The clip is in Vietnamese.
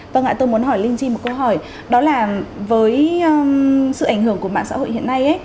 vâng ạ tôi muốn hỏi lên chi một câu hỏi đó là với sự ảnh hưởng của mạng xã hội hiện nay